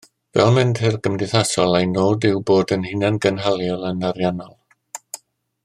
Fel menter gymdeithasol, ein nod yw bod yn hunangynhaliol yn ariannol